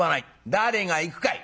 「誰が行くかい」。